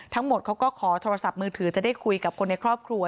ทั้งหมดเขาก็ขอโทรศัพท์มือถือจะได้คุยกับคนในครอบครัว